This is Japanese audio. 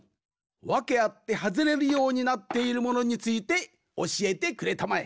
わけあってはずれるようになっているものについておしえてくれたまえ。